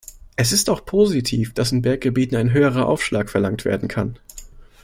Es ist auch positiv, dass in Berggebieten ein höherer Aufschlag verlangt werden kann.